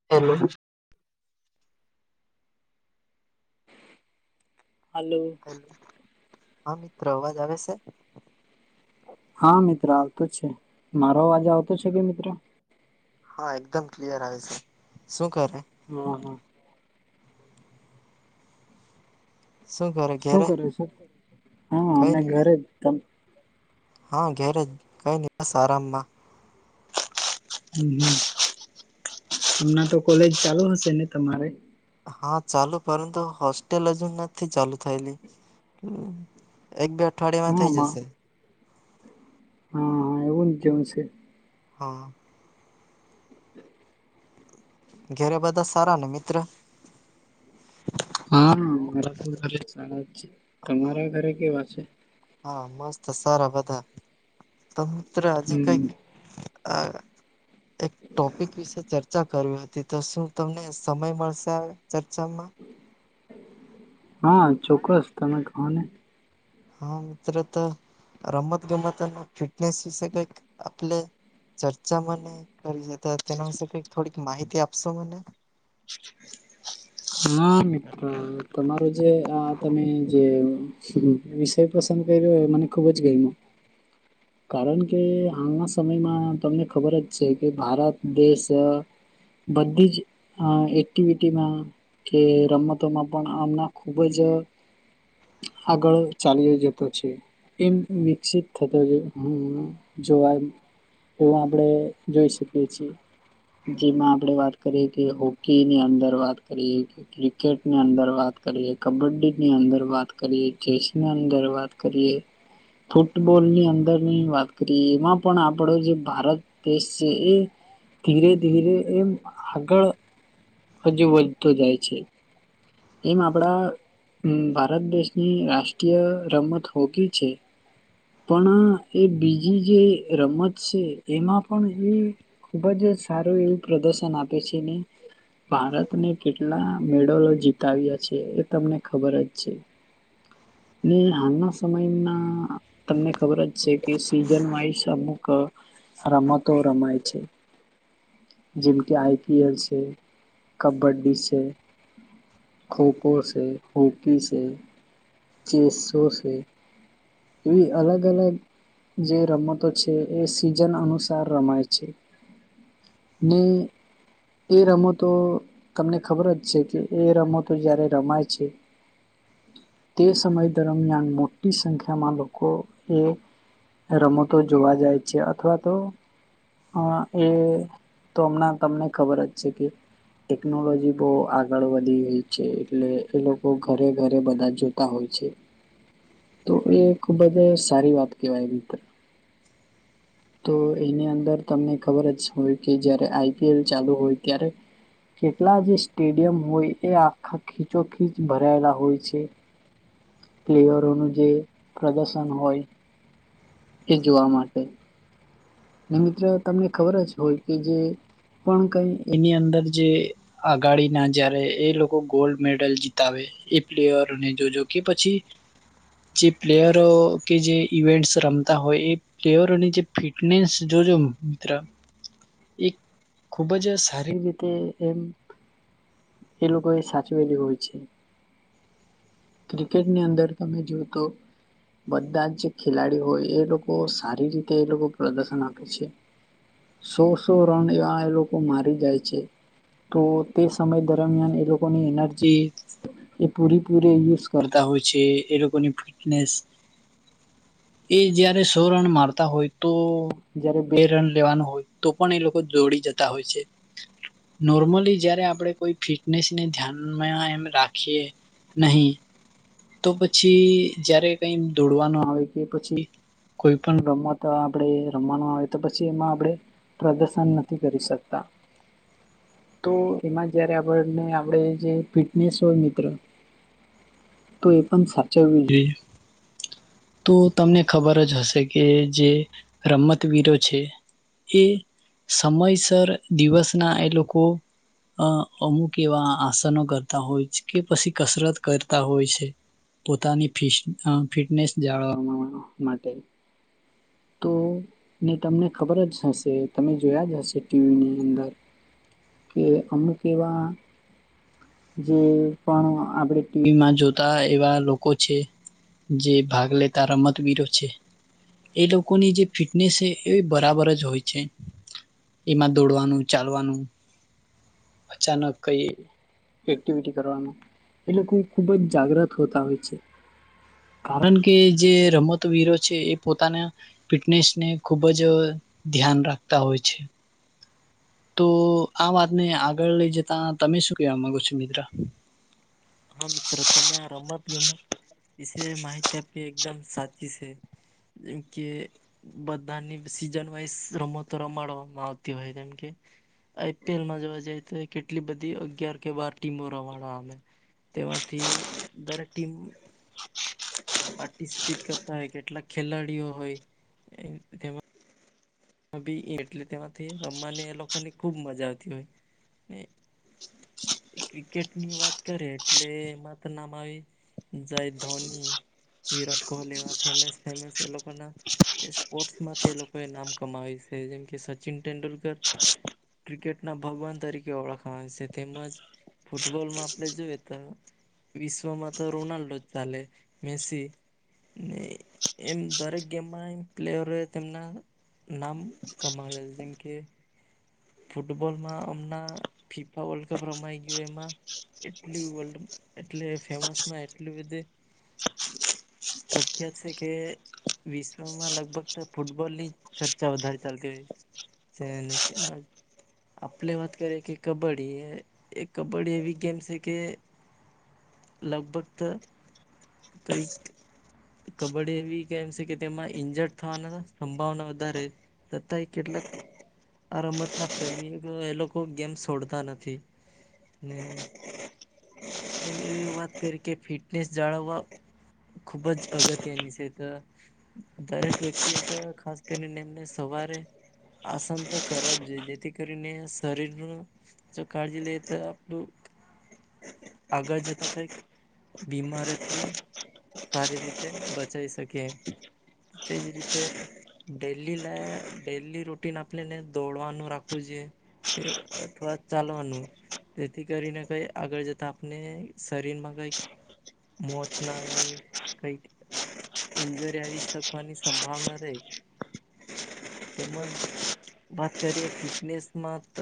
[inaudible] હાલો. હા મિત્ર, અવાજ આવે સે? હા મિત્ર આવતો જ છે. મારો અવાજ આવતો છે કે મિત્ર. હા એકદમ ક્લિયર આવે સે. સું કરે? હા હા. શું કરે શું ઘેરે કરે છે હા કઈ અમે નહી ને. ઘરે જ હા ઘેરે કઈ નહી સારામમાં. હમ હમ હમણાં તો કોલેજ ચાલુ હશે ને તમારે. હા ચાલુ પરંતુ હોસ્ટેલ હજુ નથી ચાલુ થયેલી. એક બે અઠવાડિયામાં હા થઈ જશે. હા હા એવું જ જેવું છે. હા. ઘેરે બધા સારા ને મિત્ર. હા મારા તો ઘરે સારા જ છે હા તમારા ઘરે કેવા છે. હા મસ્ત સારા બધા તો મિત્ર આજે કઈક. હમ અ એક ટોપિક વિશે ચર્ચા ચર્ચા કરવી હતી તો શું તમને સમય મળશે આ ચર્ચામાં. હા ચોક્કસ તમે કહો ને. હા મિત્ર તો. રમત ગમત અને ફિટનેસ વિશે કંઈક આપલે ચર્ચા મને કરી જતા તેના વિશે કઈક થોડીક માહિતી આપશો મને. [inaudible] હા મિત્ર તમારો જે આ તમે જે [unintelligible] એ પસંદ કર યો મને ખૂબ જ ગઈમો. કારણ કે હાલના સમયમાં તમને ખબર જ છે કે ભારત દેશ. બધી જ એક્ટિવિટીમાં. કે રમતોમાં પણ આમના ખુબ જ. આગળ ચલીયો જતો છે. એમ વિકસિત થતો. હમ જોવા. એવું આપડે જોઈ શકીએ છીએ. જેમાં આપડે વાત કરીએ કે હોકી ની અંદર વાત કરીએ કે. ક્રિકેટ ની અંદર વાત કરીએ કબડ્ડી ની અંદર વાત કરીએ ચેસ ની અંદર વાત કરીએ ફૂટબોલની અંદર. ની વાત કરીએ. એમાં પણ આપડો જે ભારત દેશ છે એ ધીરે ધીરે એમ આગળ હજુ વધતો જાય છે. એમ આપડા ભારત દેશની રાષ્ટ્રીય રમત હોકી છે. પણ એ બીજી જે રમત છે એમાં પણ એ. ખુબ જ સારું એવું પ્રદર્શન આપે છે ને. ભારતને કેટલા મેડલો જીતાવ્યા છે. એ તમને ખબર જ છે. ને હાલના સમયના તમને ખબર જ છે કે સીઝન વાઈઝ અમુક. રમતો રમાય છે. જેમ કે આઈ પી એલ છે કબડ્ડી છે. ખોખો છે હોકી છે ચેસો છે. એવી અલગ અલગ. જે રમતો છે. એ સીઝન અનુસાર રમાય છે. ને. એ રમતો તમને ખબર જ છે કે એ રમતો જયારે રમાય છે. તે સમય દરમિયાન મોટી સંખ્યામાં લોકો એ રમતો જોવા જાય છે. અથવા તો હા એ તો હમ તમને ખબર જ છે કે ટેકનોલોજી બહુ આગળ વધી ગઈ છે. એટલે એ લોકો ઘરે ઘરે બધા જોતા હોય છે. [inaudible] તો એ ખુબ જ સારી વાત કેવાય મિત્ર. તો એની અંદર તમને ખબર જ હોય કે જયારે આઈપીએલ ચાલુ હોય ત્યારે કેટલા જે સ્ટેડિયમ હોય એ આખા ખીચો ખીચ ભરાયેલા હોય છે. પ્લેયરો નો જે પ્રદર્શન હોય એ જોવા માટે. મિત્ર તમને ખબર જ હોય કે જે પણ કઈ એની અંદર જે આગાડી ના જય્યારે એ લોકો ગોલ્ડ મેડલ જીતાવે એ પ્લેયરને જોજો કે પછી જે પ્લેયરો કે જે ઇવેન્ટસ રમતા હોય એ પ્લેયરોની જે ફિટ નેશ જોજો મિત્ર એક ખૂબ જ સારી રીતે એમ એ લોકો એ સાચવેલી હોય છે. ક્રિકેટની અંદર તમે જો તો બધા જ જે ખેલાડી હોય એ લોકો સારી રીતે એ લોકો પ્રદર્શન આપે છે. સો-સો રન એવા એ લોકો મારી જાય છે. તો તે સમય દરમિયાન એ લોકોની એનર્જી એ પૂરેપૂરે યુઝ કરતા હોય છે એ લોકોની ફિટનેસ એ જય્યારે સો રન મારતા હોય તો જયારે બે રન લેવાનું હોય તો પણ એ લોકો જોડી જતા હોય છે. નોર્મલી જય્યારે આપણે કોઈ ફિટનેસને ધ્યાનમાં એમ રાખીએ નહીં. તો પછી જયારે કઈ દોડવાનું આવે કે પછી કોઈ પણ રમત તો આપણે રમવાનું આવે તો પછી એમાં આપણે પ્રદર્શન નથી કરી શકતા. તો એમાં જયારે આપણ આપણે જે ફિટનેસ ને હોય મિત્ર તો એ પણ સાચવવી જોઈએ. તો તમને ખબર જ હશે કે જે રમતવીરો છે એ સમયસર દિવસના એ લોકો અ અમુક એવા આસનો કરતા હોય છે કે પછી કસરત કરતા હોય છે. પોતાની ફિ ફિટનેસ જાળવવા માટે તો ને તમને ખબર જ હશે તમે જોયા જ હશે ટીવીની અંદર કે અમુક એવા જે પણ આપડે ટીવીમાં જોતા એવા લોકો છે. જે ભાગ લે તાર રમતવીરો છે. એ લોકોની જે ફિટનેસ છે એ બરાબર જ હોય છે. એમાં દોડવાનું ચાલવાનું અચાનક કઈ એક્ટિવિટી કરવાવામાં એ લોકો ખુબ જ જાગ્રત હોતા હોય છે. કારણ કે જે રમતવીરો છે એ પોતાના ફિટનેસ ને ખુબ જ ધ્યાન રાખતા હોય છે. તો આ વાતને આગળ લઈ જતા તમે શું કેવા માંગો છો મિત્ર હા મિત્રો તમે આ રમત ગમત વિશે માહિતી આપી એકદમ સાચી છે. જેમ કે બધાની સીઝન વાઈઝ રમતો રમાડવામાં આવતી હોય જેમ કે આઈપીએલમાં જોવા જઈ તો કેટલી બધી અગિયાર કે બાર ટીમો રવાના અમે તેમાંથી દરેક ટીમ પાર્ટિસિપેટ કરતા હોય કેટલાક ખેલાડીઓ હોય તે તેમાં અભિ એટલે તેમાંથી રમવાની એ લોકોની ખુબ મજા આવતી હોય એ ક્રિકેટ ની વાત કરે એટલે એમાં તો નામ આવી જાય ધોની વિરાટ કોહલી ફેમસ ફેમસ એ લોકો ના સ્પોર્ટસ માંથી એ લોકો એ નામ કમાય છે જેમ કે સચિન તેંડુલકર ક્રિકેટના ભગવાન તરીકે ઓળખવાની છે તેમજ ફૂટબોલ માં આપણે જોઈએ તો વિશ્વમાં તો રોનાલ્ડો જ ચાલે મેસી ને એમ દરેક ગેમમાં એમ પ્લેયરો તેમના નામ કમાાવેલ જેમ કે ફૂટબોલમાં હમણાં ફીફા વર્લ્ડ કપ રમાઈ ગયું એમાં એટલી વર્લ્ડ એટલે ફેમસમાં એટલી બધી પ્રખ્યાત છે કે વિશ્વમાં લગભગ તો ફૂટબોલ ની ચર્ચા વધારે ચાલતી હોહી છે સે આપણે વાત કરીએ કે કબડ્ડી એ કબડ્ડી એવી ગેમ છે કે લગભગ તો તો એક કબડ્ડી એવી કેમ છે કે તેમાં ઈન્જર્ડ થવાના સંભાવના વધારે છતા એ કેટલાક આ રમતના પ્રેમી એ લોકો ગેમ છોડતા નથી ને આપણે એ વાત કરી કે ફિટનેસ જાળવવા ખુબ જ અગત્યની છે તો દરેક વ્યક્તિ એ તો ખાસ કરીને એમને સવારે આસન તો કરવા જ જોઈએ જેથી કરીને શરીર નું જો કાળજી લઈએ તો આપણું આગળ જતાં કંઈક બીમારીથી સારી રીતે બચાઈ શકી તેજ રીતે ડેલી લ ડેલી રૂટીન આપણેને દોડવાનું રાખ વુ જે તે થોડા ચાલવાનું જેથી કરીને કંઈ આગળ જતા આપને શરીરમાં કઈક મોચ ના આવે એવું કંઈક એન્જરી આવી શકવાની સંભાવના રહે તેમજ વાત કરીએ ફિટનેસમાં ત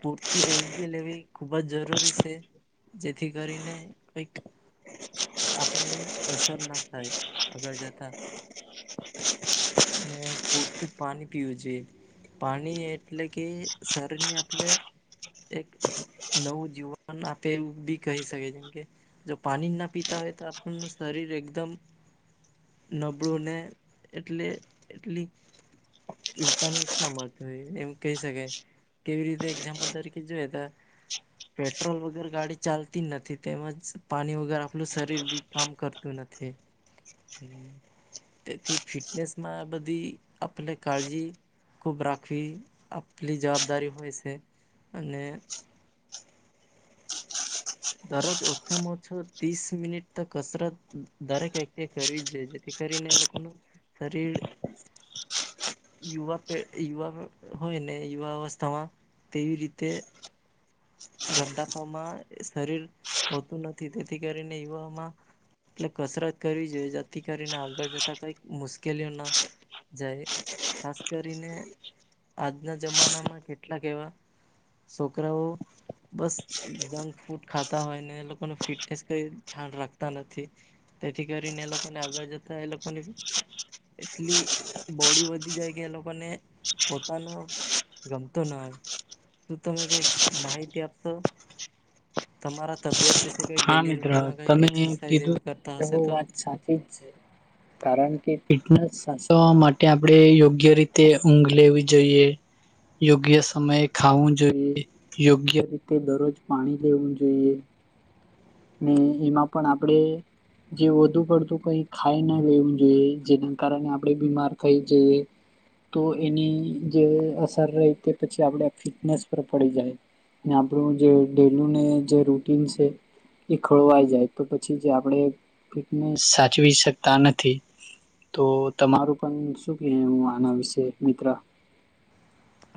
પૂરતી ઊંઘી લેવી ખુબ જ જરૂરી છે. જેથી કરીને કઈક આપણને અસર ના થાય આગળ જતા પૂરતું પાણી પીવું જોઈએ પાણી એટલે કે શરીરની આપલે એક નવું જીવન આપે એવું બી કહી શકે જેમ કે જો પાણી ના પીતા હોય તો આપણ શરીર એકદમ નબળું ને એટલે એટલી વિટામીન્સ ના મળતું હોય એમ કહી શકાય કેવી રીતે એક્ઝામ્પલ તરીકે જોઈ તો પેટ્રોલ વગર ગાડી ચાલતી જ નથી તેમજ પાણી વગર આપલું શરીર બી કામ કરતું નથી હમ તેથી ફિટનેસમાં બધી આપણે કાળજી ખૂબ રાખવી આપલી જવાબદારી હોય છે અને દરરોજ ઓછામાં ઓછો ત્રીસ મિનિટ તો કસરત દરેક વ્યક્તિ કરવી જોઈએ જેથી કરીને લોકોનું શરીર યુવા યુવા હોય ને યુવા અવસ્થામાં તેવી રીતે ગડાફમાં શરીર હોતું નથી તેથી કરીને યુવામાં એટલે કસરત કરવી જોઈએ જેથી કરીને આગળ જતાં કંઈક મુશ્કેલીઓના જાય ખાસ કરીને આજના જમાનામાં કેટલાક એવા છોકરાઓ બસ જંક ફૂડ ખાતા હોય ને લોકો ને ફિટનેસ કઈ ધ્યાન રાખતા નથી તેથી કરીને એ લોકોને આગળ જતા એ લોકોને એટલી બોડી વધી જાય કે એ લોકોને પોતાનો ગમતો ના હો. શું તમે કઈક માહિતી આપશો? તમારા તબિયત કશે કઈ હા ડેલી મિત્ર રૂટીનમાં કઈ એક્સરસાઇઝ એવું કરતા હશે તો? સાચુ જ છે. હ [unintelligible] કારણ કે ફિટનેસ સાસવા માટે આપણે યોગ્ય રીતે ઊંઘ લેવી જોઈએ. યોગ્ય સમયે ખાવું જોઈએ. યોગ્ય રીતે દરરોજ પાણી લેવું જોઈએ. ને એમાં પણ આપડે જે વધુ પડતું કઈ ખાઈ ના લેવું જોઈએ જેના કારણે આપણે બીમાર થઈ જઈએ. તો એની જે અસર રહી તે પછી આપણે ફિટનેસ પર પડી જાય. ને આપણું જે ડેલીને જે રૂટીન છે. એ ખોળવાઈ જાય તો પછી જે આપણે ફિટનેસ સાચવી શકતા નથી. તો તમારું પણ શું કહે હું આના વિશે મિત્ર?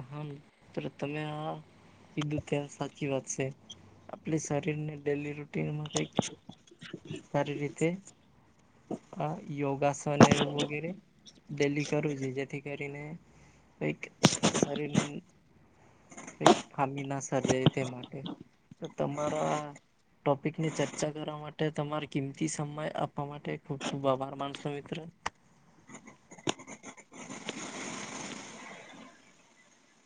હા તો તમે આ કીધું ત્યાં સાચી વાત છે. આપલી શરીર ને ડેલી રૂટીનમાં કઈ સારી રીતે આ યોગાસન વગેરે ડેલી કરવું છે જેથી કરીને કઈક શરીરને કઈક ખામી ના સર્જાય તે માટે. તો તમારા ટોપિકની ચર્ચા કરવા માટે, તમારે કિંમતી સમય આપવા માટે ખૂબ ખૂબ આભાર માનસો મિત્ર.